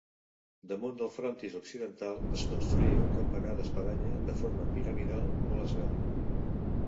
Damunt del frontis occidental es construí un campanar d'espadanya de forma piramidal, molt esvelt.